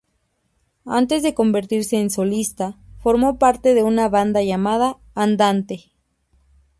Antes de convertirse en solista, formó parte de una banda llamada Andante.